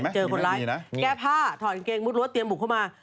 เจอคนร้ายแก้ผ้าถอดกางเกงมุดรั้วเตรียมบุกเข้ามา